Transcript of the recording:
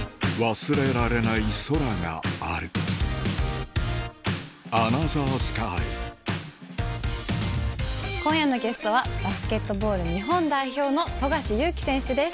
忘れられない空がある今夜のゲストはバスケットボール日本代表の富樫勇樹選手です。